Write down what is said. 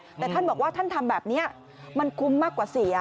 แต่ท่านบอกว่าท่านทำแบบนี้มันคุ้มมากกว่าเสีย